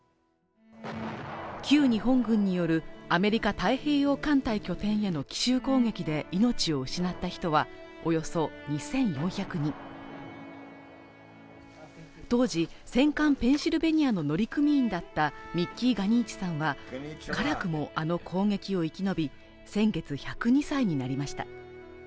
旧日本軍によるアメリカ太平洋艦隊拠点への奇襲攻撃で命を失った人はおよそ２４００人当時戦艦ペンシルベニアの乗組員だったミッキー・ガニーチさんは辛くもあの攻撃を生き延び先月１０２歳になりました